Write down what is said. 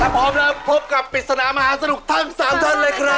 พร้อมแล้วพบกับปริศนามหาสนุกทั้ง๓ท่านเลยครับ